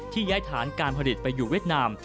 ย้ายฐานการผลิตไปอยู่เวียดนาม